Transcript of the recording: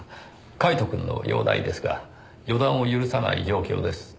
カイトくんの容態ですが予断を許さない状況です。